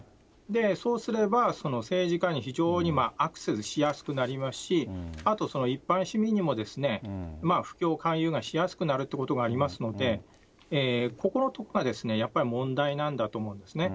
そうすれば、政治家に非常にアクセスしやすくなりますし、あと、一般市民にも布教、勧誘がしやすくなるということがありますので、ここのところがやっぱり問題だと思うんですよね。